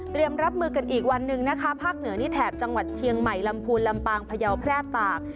รับมือกันอีกวันหนึ่งนะคะภาคเหนือนี่แถบจังหวัดเชียงใหม่ลำพูนลำปางพยาวแพร่ตาก